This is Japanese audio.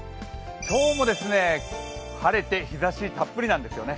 今日も晴れて日ざしたっぷりなんですよね。